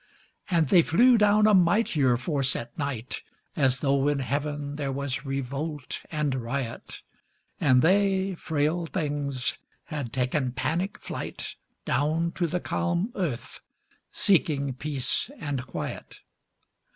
And they flew down a mightier force at night, As though in heaven there was revolt and riot, And they, frail things had taken panic flight Down to the calm earth seeking peace and quiet.